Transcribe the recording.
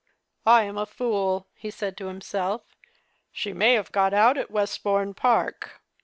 "I am a fool," he said to himself; "she may have got out at Westbourne Park."